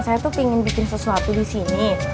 saya tuh pingin bikin sesuatu disini